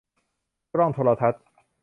กล้องโทรทัศน์